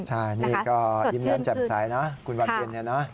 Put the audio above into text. ใช่นี่ก็ยิ้มแย้มแจ่มใสนะคุณวันเย็นเนี่ยนะ